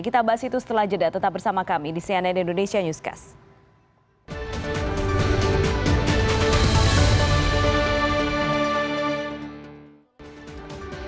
kita bahas itu setelah jeda tetap bersama kami di cnn indonesia newscast